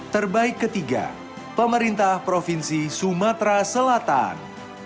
terbaik ketiga pemerintah provinsi sumatera selatan